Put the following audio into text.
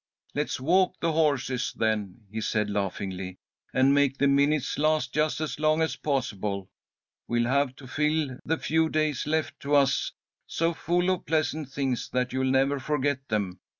"Let's walk the horses, then," he said, laughingly, "and make the minutes last just as long as possible. We'll have to fill the few days left to us so full of pleasant things that you'll never forget them.